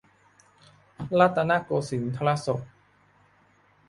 รัตนโกสินทรศก